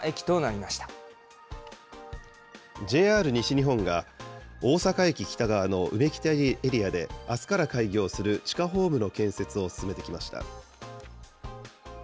ＪＲ西日本が、大阪駅北側のうめきたエリアで、あすから開業する地下ホームの建設を進めてきました。